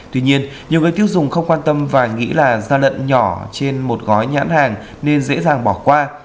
tuy nhiên nhiều người tiêu dùng không quan tâm và nghĩ là gian lận nhỏ trên một gói nhãn hàng nên dễ dàng bỏ qua